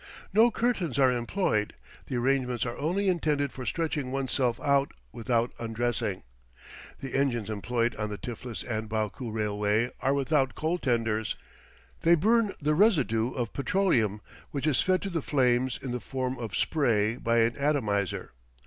No curtains are employed; the arrangements are only intended for stretching one's self out without undressing. The engines employed on the Tiflis & Baku Railway are without coal tenders. They burn the residue of petroleum, which is fed to the flames in the form of spray by an atomizer.